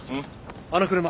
あの車。